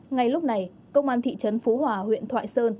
ngay lúc này công an thị trấn phú hòa huyện thoại sơn